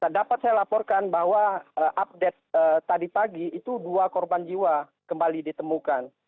dapat saya laporkan bahwa update tadi pagi itu dua korban jiwa kembali ditemukan